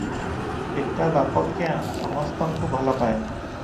ଏକା ବାପା କ୍ୟାଁ, ସମସ୍ତଙ୍କୁ ଭଲପାଏ ।